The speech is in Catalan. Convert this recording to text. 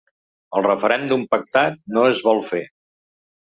El referèndum pactat no es vol fer.